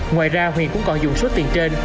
ngoài ra huyền cũng còn dùng số tiền trên